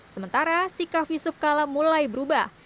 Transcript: sementara sikap yusuf kala mulai berubah